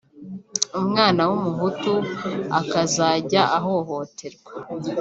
umwana w’umuhutu akazajya ahohoterwa